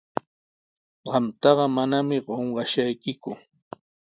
Qamtaqa manami qunqashaykiku.